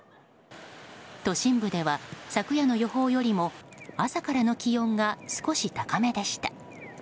都心部では昨夜の予報よりも朝からの気温が少し高めでした。